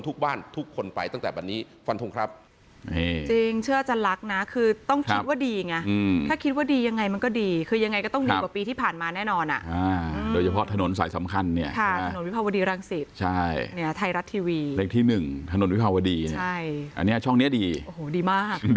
ทุกบ้านทุกคนไปตั้งแต่วันนี้ฟันทุงครับ